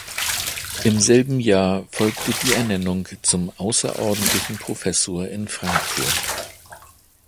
Im selben Jahr folgte die Ernennung zum außerordentlichen Professor in Frankfurt.